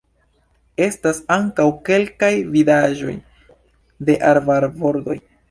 Estas ankaŭ kelkaj vidaĵoj de arbarbordoj.